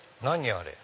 あれ。